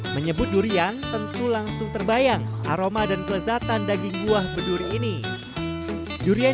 menyebut durian tentu langsung terbayang aroma dan kelezatan daging buah berduri ini durian